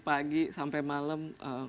pagi sampai malam